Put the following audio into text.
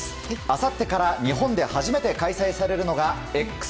あさってから日本で初めて開催されるのがＸＧａｍｅｓ。